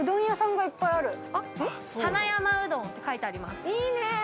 ◆いいね。